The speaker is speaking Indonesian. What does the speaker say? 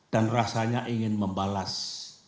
dan rasanya ingin membalas